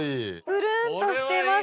ぷるんとしてます。